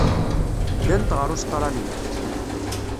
Ddant ɣer Ustṛalya.